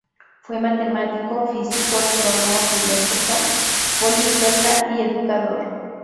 Fue matemático, físico, astrónomo, filósofo, políglota y educador.